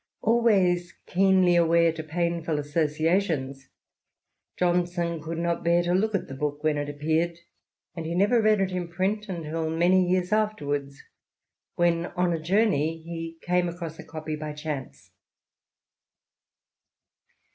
Always keenly alive to painful associations, Johnson could not bear to look at the book when it ap peared, and he never read it in print until many years after wards, when on a journey he came across a copy by chance.